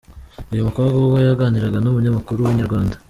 Uyu mukobwa ubwo yaganiraga n’umunyamakuru wa Inyarwanda.